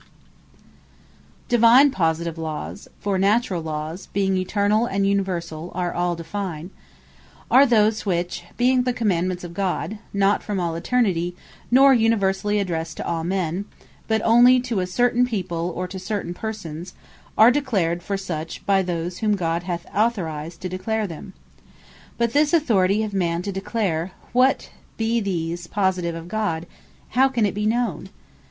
Divine Positive Law How Made Known To Be Law Divine Positive Lawes (for Naturall Lawes being Eternall, and Universall, are all Divine,) are those, which being the Commandements of God, (not from all Eternity, nor universally addressed to all men, but onely to a certain people, or to certain persons,) are declared for such, by those whom God hath authorised to declare them. But this Authority of man to declare what be these Positive Lawes of God, how can it be known?